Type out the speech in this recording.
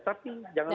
tapi jangan lupa